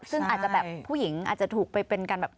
ซึ่งหรือผู้หญิงอาจจะถูกเป็นการ